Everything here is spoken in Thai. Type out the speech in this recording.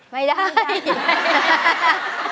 ไม่ได้